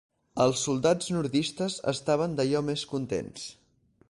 Els soldats nordistes estaven d'allò més contents.